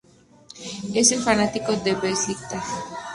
Él es fanático de Beşiktaş J. K..